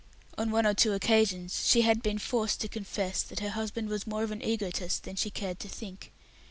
On one or two occasions she had been forced to confess that her husband was more of an egotist than she cared to think.